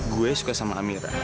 saya suka dengan amira